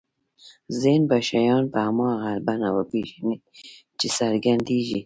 ذهن به شیان په هماغه بڼه وپېژني چې څرګندېږي.